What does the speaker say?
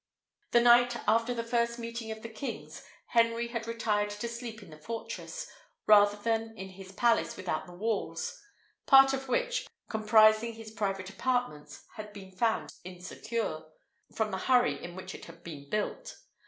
The night after the first meeting of the kings, Henry had retired to sleep in the fortress, rather than in his palace without the walls; part of which, comprising his private apartments, had been found insecure, from the hurry in which it had been built.